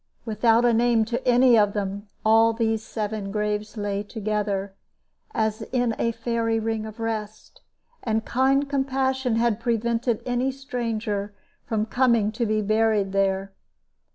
Without a name to any of them, all these seven graves lay together, as in a fairy ring of rest, and kind compassion had prevented any stranger from coming to be buried there.